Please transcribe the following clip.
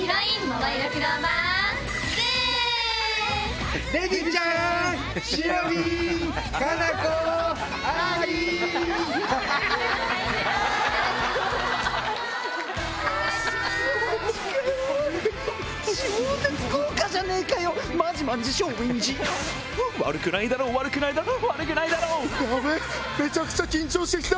めちゃくちゃ緊張して来た！